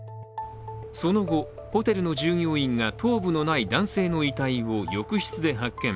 その後、ホテルの従業員が頭部のない男性の遺体を浴室で発見。